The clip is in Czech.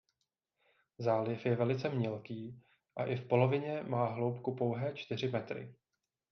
Záliv je velice mělký a i v polovině má hloubku pouhé čtyři metry.